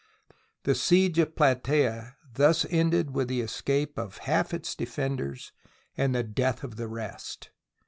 The siege of Plataea thus ended with the es cape of half its defenders and the death of the rest.